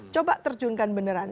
coba terjunkan beneran